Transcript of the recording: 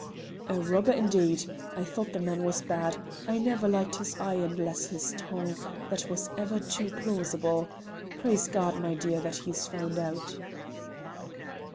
"A robber indeed! I thought the man bad; I never liked his eye and less his tongue, that was ever too plausible. Praise God, my dear, that he's found out!"